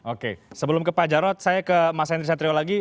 oke sebelum ke pak jarod saya ke mas henry satrio lagi